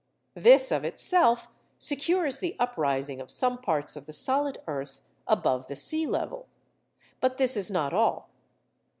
This, of itself, secures the uprising of some parts of the solid earth above the sea level. But this is not all.